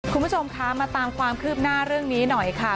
คุณผู้ชมคะมาตามความคืบหน้าเรื่องนี้หน่อยค่ะ